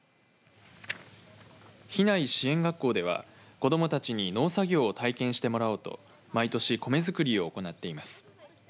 比内支援学校では子どもたちに農作業を体験してもらおうと毎年米作りを行っています。